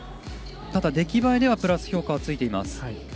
ただ、出来栄えではプラス評価がついています。